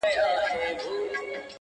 كه بې وفا سوې گراني !